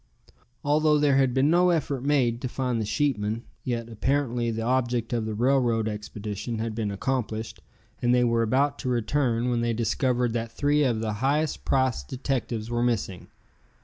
Although there had been no effort made to find the sheepmen, yet apparently the object of the railroad expedition had been accomplished, and they were about to return when they discovered that three of the highest priced detectives were missing.